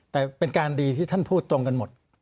แต่เป็นการดีที่ท่านพูดตรงกันหมด